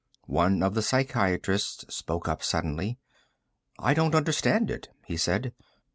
One of the psychiatrists spoke up suddenly. "I don't understand it," he said.